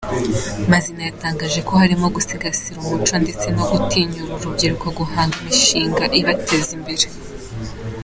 Mazina yatangaje ko harimo gusigasira umuco ndetse no gutinyura urubyiruko guhanga imishinga ibateza imbere.